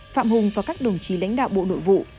phạm hùng và các đồng chí lãnh đạo bộ nội vụ